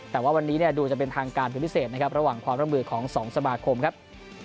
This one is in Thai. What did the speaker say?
แต่ว่าวันนี้ดูจะเป็นทางการพิเศษระหว่างความละมืดของสองสมาคมครับ